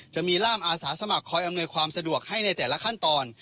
จะมีร่ามอาสาสมัครคอยอำนวยความสะดวกให้ในแต่ละขั้นตอน